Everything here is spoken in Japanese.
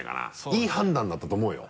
いい判断だったと思うよ。